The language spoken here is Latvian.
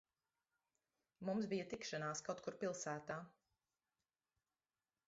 Mums bija tikšanās kaut kur pilsētā.